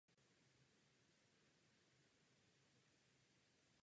Opravdu, nezapomínejme, že trest smrti zasahuje především znevýhodněné lidi.